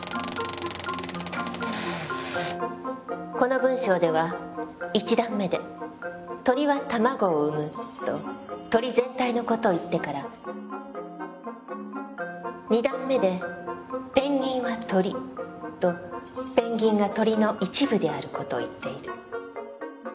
この文章では一段目で「鳥は卵を産む」と鳥全体の事を言ってから二段目で「ペンギンは鳥」とペンギンが鳥の一部である事を言っている。